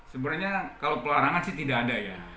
sebenarnya kalau pelarangan sih tidak ada ya